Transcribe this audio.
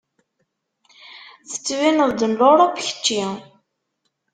Tettbineḍ-d n Luṛup kečči.